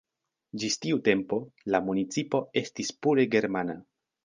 Ĝis tiu tempo la municipo estis pure germana.